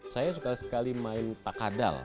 saya suka sekali main takadal